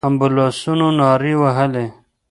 امبولانسونو نارې وهلې.